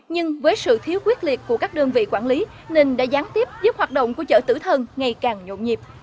nhưng với sự thiếu quyết liệt của các đơn vị quản lý nên đã gián tiếp giúp hoạt động của chợ tử thần ngày càng nhộn nhịp